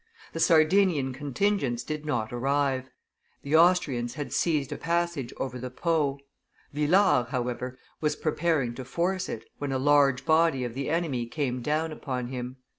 The Sardinian contingents did not arrive; the Austrians had seized a passage over the Po; Villars, however, was preparing to force it, when a large body of the enemy came down upon him.